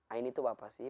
ain itu apa sih